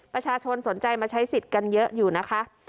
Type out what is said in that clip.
ประชาชนสนใจมาใช้สิทธิ์กันเยอะอยู่นะคะ